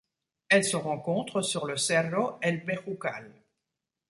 Elle se rencontre sur le Cerro El Bejucal.